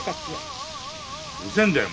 うるせえんだよ！